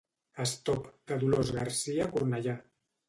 Stop, de Dolors Garcia Cornellà.